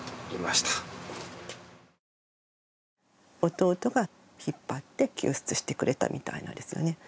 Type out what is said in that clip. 弟が引っ張って救出してくれたみたいなんですよね。